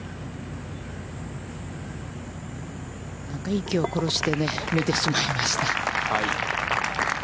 息を殺して見てしまいますね。